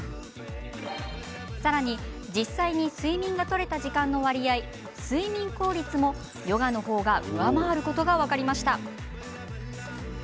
さらに、実際に睡眠が取れた時間の割合、睡眠効率もヨガの方が上回ることが分かりました。